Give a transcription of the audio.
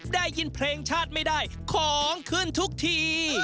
ได้ยินเพลงชาติไม่ได้ของขึ้นทุกที